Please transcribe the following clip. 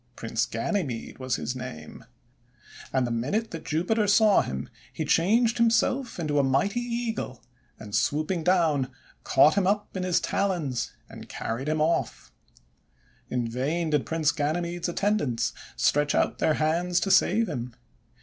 Prince Ganymede was his name. 96 THE WONDER GARDEN And the minute that Jupiter saw him, he changed himself into a mighty Eagle, and swooping down caught him up in his talons, and carried him off. In vain did Prince Ganymede's attendants stretch out their hands to save him.